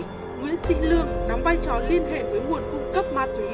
nguyễn sĩ lương đóng vai trò liên hệ với nguồn cung cấp ma túy